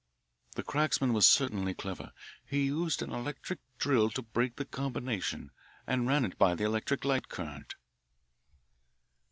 The cracksman was certainly clever. He used an electric drill to break the combination and ran it by the electric light current."